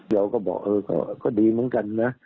เราก็บอกเออก็ดีเหมือนกันนะ